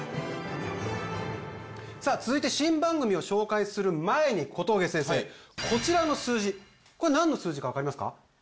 続いて新番組を紹介する前に小峠先生はいこちらの数字これ何の数字か分かりますか？